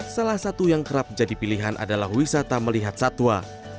salah satu yang kerap jadi pilihan adalah wisata melihat satwa